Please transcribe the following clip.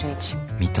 「見た」